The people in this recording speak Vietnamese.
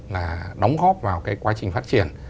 là đóng góp vào cái quá trình phát triển